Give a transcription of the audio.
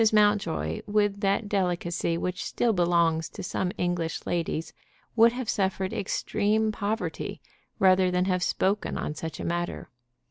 Mountjoy, with that delicacy which still belongs to some English ladies, would have suffered extreme poverty rather than have spoken on such a matter.